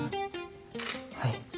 はい。